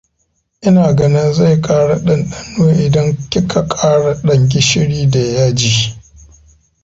Ina ganin zai ƙara ɗanɗano idan kika ƙara ɗan gishiri da yaji.